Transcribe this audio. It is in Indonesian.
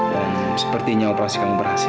dan sepertinya operasi kamu berhasil